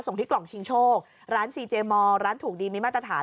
ส่งที่กล่องชิงโชคร้านซีเจมอร์ร้านถูกดีมีมาตรฐาน